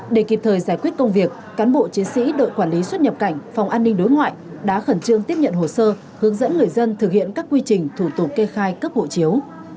để kịp thời giải quyết công việc cán bộ chiến sĩ đội quản lý xuất nhập cảnh phòng an ninh đối ngoại đã khẩn trương tiếp nhận hồ sơ hướng dẫn người dân thực hiện các quy trình thủ tục kê khai cấp hộ chiếu